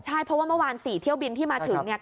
ใช่เพราะว่าเมื่อวาน๔เที่ยวบินที่มาถึงเนี่ย